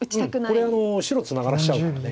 これ白ツナがらせちゃうから。